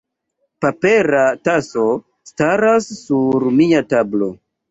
Papera taso staras sur mia tablo.